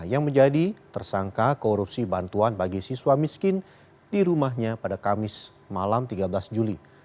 yang menjadi tersangka korupsi bantuan bagi siswa miskin di rumahnya pada kamis malam tiga belas juli